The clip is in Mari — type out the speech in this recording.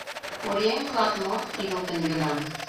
— Оръеҥ улат мо? — игылтын йодам.